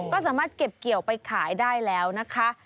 ก็สามารถเก็บเกี่ยวไปขายได้แล้วนะคะ